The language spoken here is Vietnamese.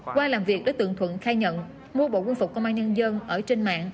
qua làm việc đối tượng thuận khai nhận mua bộ quân phục công an nhân dân ở trên mạng